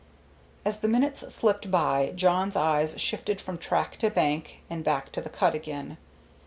As the minutes slipped by Jawn's eyes shifted from track to bank and back to the cut again.